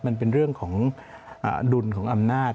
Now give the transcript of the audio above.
มันเป็นเรื่องของดุลของอำนาจ